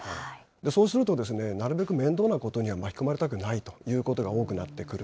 そうするとですね、なるべく面倒なことには巻き込まれたくないということが多くなってくる。